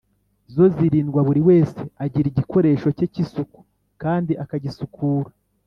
zo zirindwa buri wese agira igikoresho ke k’isuku kandi akagisukura.